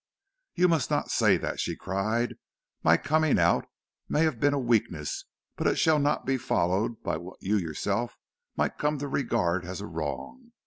"You must not say that," she cried. "My coming out may have been a weakness, but it shall not be followed by what you yourself might come to regard as a wrong.